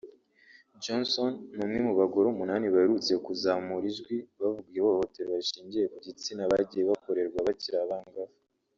Johnson ni umwe mu bagore umunani baherutse kuzamura ijwi bavuga ihohoterwa rishingiye ku gitsina bagiye bakorerwa bakiri abangavu